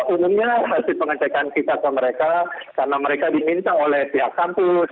umumnya hasil pengecekan kita ke mereka karena mereka diminta oleh pihak kampus